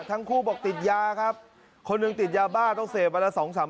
ทั้งคู่บอกติดยาครับคนหนึ่งติดยาบ้าต้องเสพวันละสองสาม